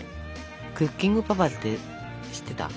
「クッキングパパ」って知ってた？